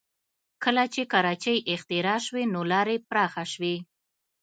کله چې کراچۍ اختراع شوې نو لارې پراخه شوې